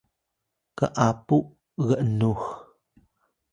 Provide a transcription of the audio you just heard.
k’apu g’nux